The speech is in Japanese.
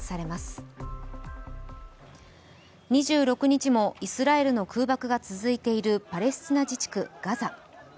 ２６日もイスラエルの空爆が続いているパレスチナ自治区ガザ。